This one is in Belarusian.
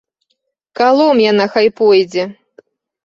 Калом яна хай пойдзе!